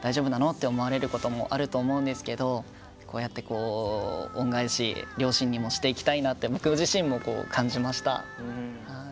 って思われることもあると思うんですけどこうやって、恩返し両親にもしていきたいなって僕自身も感じました。